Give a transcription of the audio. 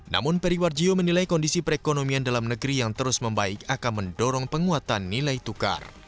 namun periwarjo menilai kondisi perekonomian dalam negeri yang terus membaik akan mendorong penguatan nilai tukar